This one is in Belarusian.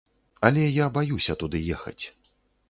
Але я баюся туды ехаць.